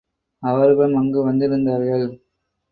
அவர்களும் அங்கு வந்திருந்தார்கள்.